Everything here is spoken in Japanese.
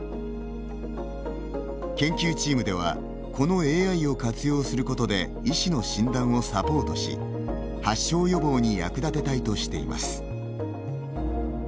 研究チームではこのＡＩを活用することで医師の診断をサポートし発症予防に役立てたいとしています。